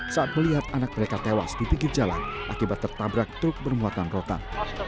saat melihat anak mereka tewas di pinggir jalan akibat tertabrak truk bermuatan rotan